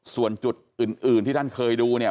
ส่วนจุดอื่นที่ท่านเคยดูเนี่ย